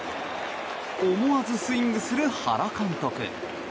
思わずスイングする原監督。